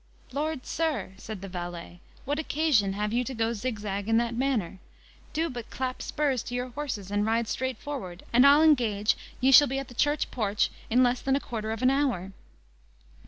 "Lord, sir!" said the valet, "what occasion have you to go zig zag in that manner? Do but clap spurs to your horses, and ride straight forward, and I'll engage yea shall be at the church porch in less than a quarter of an hour."